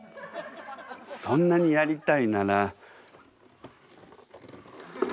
そんなにやりたいなら。